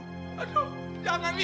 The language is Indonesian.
aduh jangan mi